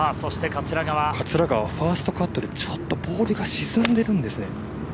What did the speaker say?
桂川、ファーストカットでちょっとボールが沈んでるんですね。